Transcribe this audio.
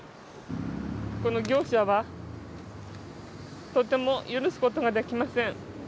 この業者は、とても許すことができません。